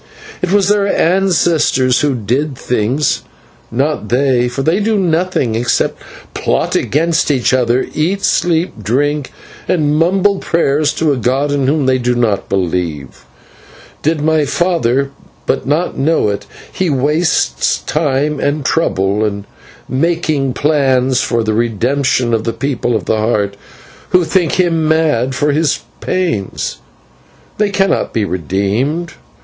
It was their ancestors who did the things, not they, for they do nothing except plot against each other, eat, sleep, drink, and mumble prayers to a god in whom they do not believe. Did my father but know it, he wastes time and trouble in making plans for the redemption of the People of the Heart, who think him mad for his pains. They cannot be redeemed.